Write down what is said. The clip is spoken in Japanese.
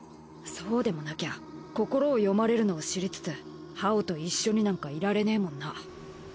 そうでもなきゃ心を読まれるのを知りつつ葉王と一緒になんかいられねえもんな。